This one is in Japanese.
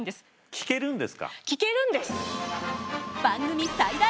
聞けるんです！